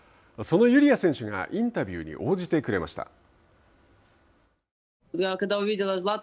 そのユリア選手がインタビューに応じてくれました。